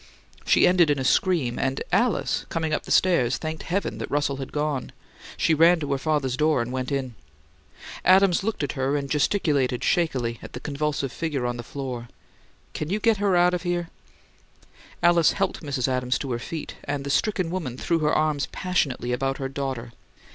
She ended in a scream; and Alice, coming up the stairs, thanked heaven that Russell had gone. She ran to her father's door and went in. Adams looked at her, and gesticulated shakily at the convulsive figure on the floor. "Can you get her out of here?" Alice helped Mrs. Adams to her feet; and the stricken woman threw her arms passionately about her daughter.